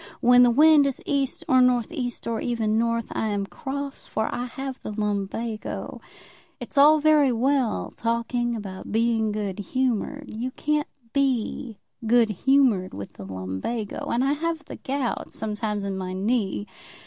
When the wind is east, or north east, or even north, I am cross, for I have the lumbago. It's all very well talking about being good humoured. You can't be good humoured with the lumbago. And I have the gout sometimes in my knee.